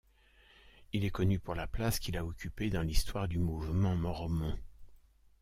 Il est connu pour la place qu'il a occupé dans l'histoire du mouvement mormon.